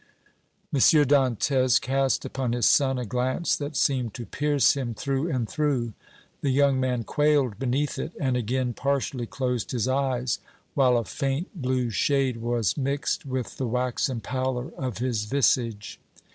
M. Dantès cast upon his son a glance that seemed to pierce him through and through; the young man quailed beneath it and again partially closed his eyes, while a faint blue shade was mixed with the waxen pallor of his visage.